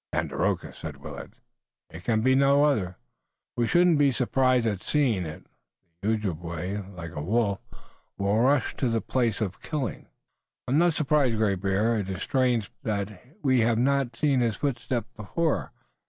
"Tandakora," said Willet. "It can be none other." "We shouldn't be surprised at seeing it. The Ojibway, like a wolf, will rush to the place of killing." "I am not surprised, Great Bear. It is strange, perhaps, that we have not seen his footsteps before.